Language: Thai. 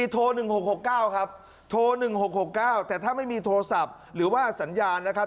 โทร๑๖๖๙ครับโทร๑๖๖๙แต่ถ้าไม่มีโทรศัพท์หรือว่าสัญญาณนะครับ